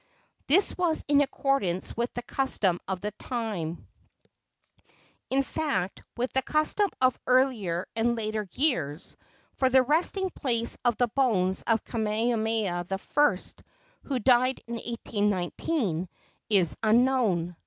This was in accordance with the custom of the time in fact, with the custom of earlier and later years, for the resting place of the bones of Kamehameha I., who died in 1819, is unknown.